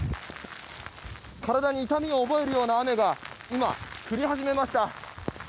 体に痛みを覚えるような雨が今、降り始めました。